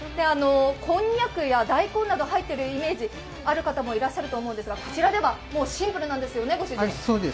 こんにゃくや大根など入っているイメージがある方もいらっしゃると思いますが、こちらではシンプルなんですよね、ご主人？